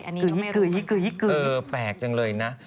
อันนี้ก็ไม่รู้เออแปลกจังเลยนะ